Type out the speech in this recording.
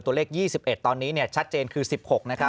ตัวเลข๒๑ตอนนี้ชัดเจนคือ๑๖นะครับ